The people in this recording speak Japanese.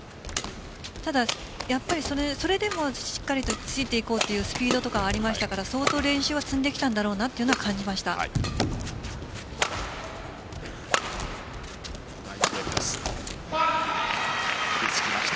ただ、それでもしっかりとついていこうというスピード感はありましたから相当練習は積んできたんだろうなと感じました。